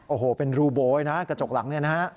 โอ้โหเป็นรูโบยนะกระจกหลังเนี่ยนะฮะ